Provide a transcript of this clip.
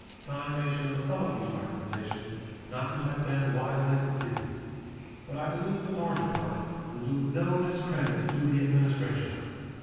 Time may show some of these recommendations not to have been wisely conceived, but I believe the larger part will do no discredit to the Administration.